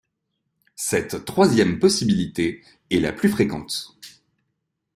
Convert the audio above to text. Cette troisième possibilité est la plus fréquente.